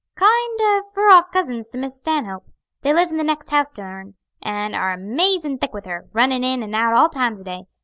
"Kind o' fur off cousins to Miss Stanhope. They live in that next house to hern, and are amazin' thick with her, runnin' in and out all times o' day.